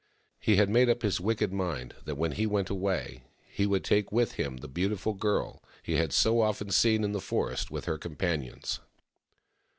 He had made up his wicked mind that when he went away he would take with him the beautiful girl he had so often seen in the forest with her companions.